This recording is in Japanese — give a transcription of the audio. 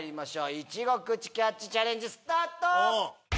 「いちご口キャッチ」チャレンジスタート！